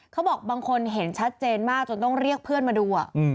บางคนเห็นชัดเจนมากจนต้องเรียกเพื่อนมาดู